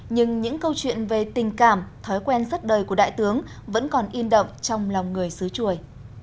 nhưng những câu chuyện về tình cảm thói quen sắp đời của đại tướng vẫn còn yên động trong lòng người sứ chuồi